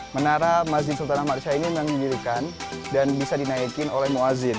menara masjid sultanah marsha ini dimiliki dan bisa dinaikin oleh muazzin